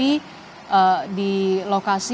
lima jenazah yang sudah dikepung oleh kondisi